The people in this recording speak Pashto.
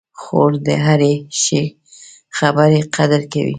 خور د هرې ښې خبرې قدر کوي.